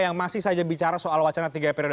yang masih saja bicara soal wacana tiga periode